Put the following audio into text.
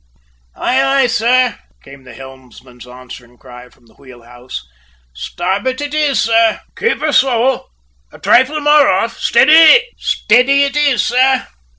"Aye, aye, sir," came again the helmsman's answering cry from the wheel house. "Starboard it is, sir!" "Keep her so. A trifle more off. Steady!" "Steady it is, sir!"